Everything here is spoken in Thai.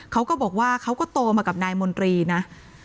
เขาก็บอกว่าเขาก็โตมากับนายมนตรีนะ